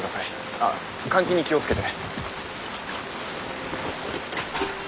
あっ換気に気を付けて。